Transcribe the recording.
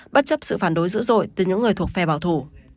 bất chấp sự phản đối dữ dội từ những người thuộc phe bảo thủ